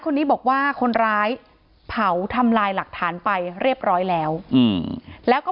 คนนี้บอกว่าคนร้ายเผาทำลายหลักฐานไปเรียบร้อยแล้วแล้วก็